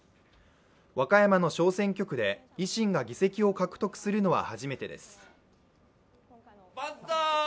和歌山の小選挙区で維新が議席を獲得するのは初めてです。